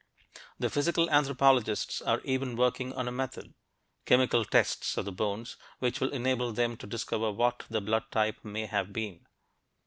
The physical anthropologists are even working on a method chemical tests of the bones that will enable them to discover what the blood type may have been.